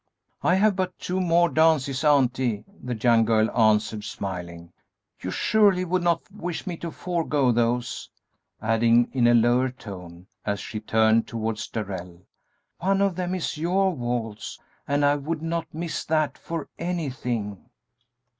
"I have but two more dances, auntie," the young girl answered, smiling; "you surely would not wish me to forego those;" adding, in a lower tone, as she turned towards Darrell, "one of them is your waltz, and I would not miss that for anything!"